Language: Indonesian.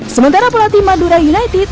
sementara pelatih madura united